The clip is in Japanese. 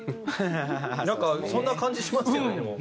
なんかそんな感じしますよねでも。